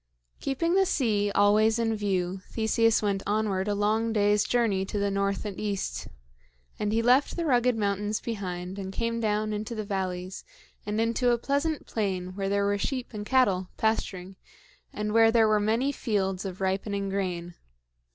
Keeping the sea always in view, Theseus went onward a long day's journey to the north and east; and he left the rugged mountains behind and came down into the valleys and into a pleasant plain where there were sheep and cattle pasturing and where there were many fields of ripening grain.